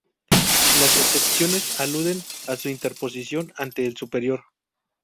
Las excepciones aluden a su interposición ante el superior.